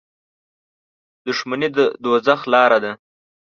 • دښمني د دوزخ لاره ده.